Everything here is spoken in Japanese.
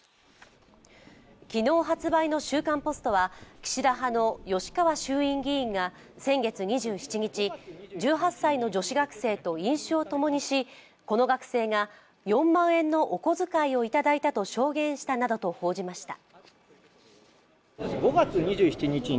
昨日発売の「週刊ポスト」は岸田派の吉川衆院議員が先月２７日、１８歳の女子学生と飲酒を共にしこの学生が４万円のお小遣いをいただいたと証言したなどと報じました。